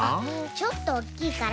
ちょっとおっきいから。